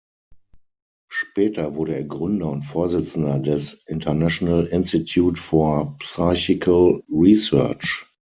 Später wurde er Gründer und Vorsitzender des "International Institute for Psychical Research".